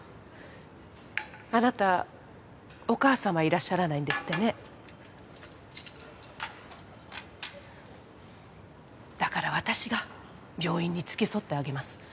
あなたお母様いらっしゃらないんですってねだから私が病院に付き添ってあげます